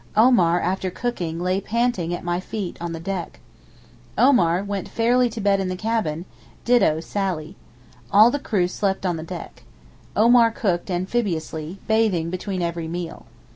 Omar, after cooking, lay panting at my feet on the deck. Arthur went fairly to bed in the cabin; ditto Sally. All the crew slept on the deck. Omar cooked amphibiously, bathing between every meal.